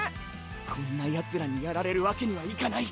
こんなヤツらにやられるわけにはいかない！